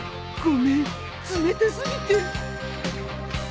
ごめん冷た過ぎて。